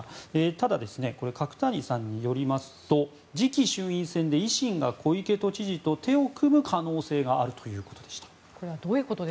ただ角谷さんによりますと次期衆院選で維新が小池都知事と手を組む可能性があるということでした。